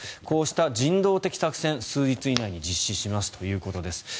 こうした人道的作戦を数日以内に実施しますということです。